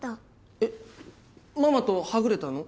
えっママとはぐれたの？